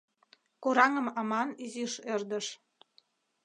Кораҥым аман изиш ӧрдыш...